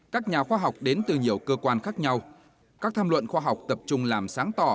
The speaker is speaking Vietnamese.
các nhà khoa học đến từ nhiều cơ quan khác nhau các tham luận khoa học tập trung làm sáng tỏ